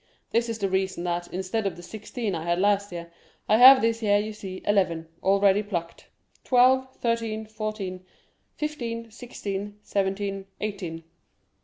This is the reason that, instead of the sixteen I had last year, I have this year, you see, eleven, already plucked—twelve, thirteen, fourteen, fifteen, sixteen, seventeen, eighteen.